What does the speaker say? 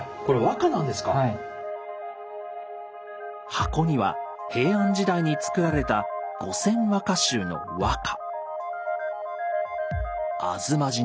箱には平安時代に作られた「後撰和歌集」の和歌。